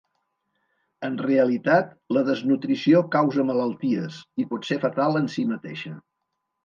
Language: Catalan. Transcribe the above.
En realitat la desnutrició causa malalties, i pot ser fatal en si mateixa.